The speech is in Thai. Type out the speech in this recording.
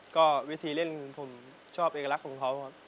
ก็วิธีเล่นผมชอบเอกลักษณ์ของเขาครับ